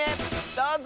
どうぞ！